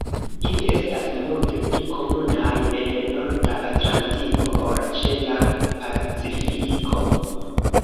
Ili estas multe pli komunaj en norda Atlantiko ol ĉe la Pacifiko.